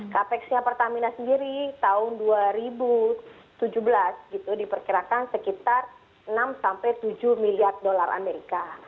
capex nya pertamina sendiri tahun dua ribu tujuh belas gitu diperkirakan sekitar enam sampai tujuh miliar dolar amerika